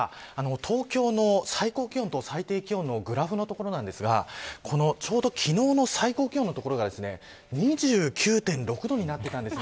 東京の最高気温と最低気温のグラフですがこのちょうど昨日の最高気温のところが２９．６度になっていたんです。